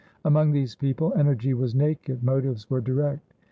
Among these people, energy was naked, motives were direct.